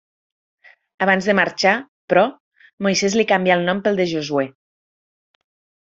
Abans de marxar, però, Moisès li canvià el nom pel de Josuè.